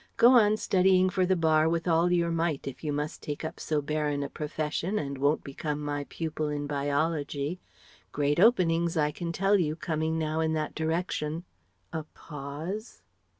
Go on studying for the Bar with all your might, if you must take up so barren a profession and won't become my pupil in biology Great openings, I can tell you, coming now in that direction." (A pause.)